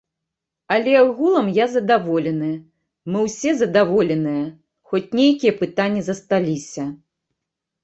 Але агулам я задаволены, мы ўсе задаволеныя, хоць нейкія пытанні засталіся.